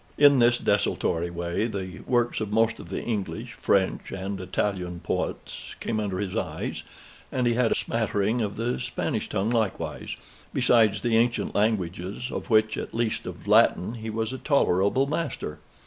In this desultory way the works of most of the English, French, and Italian poets came under his eyes, and he had a smattering of the Spanish tongue likewise, besides the ancient languages, of which, at least of Latin, he was a tolerable master.